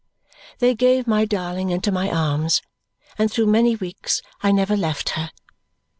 They gave my darling into my arms, and through many weeks I never left her.